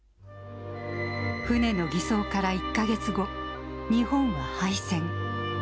船の偽装から１か月後、日本は敗戦。